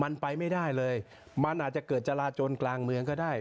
มันไปไม่ได้เลยมันอาจจะเกิดจราจนกลางเมืองก็ได้